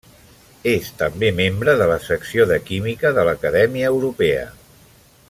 És també membre de la Secció de Química de l'Acadèmia Europea.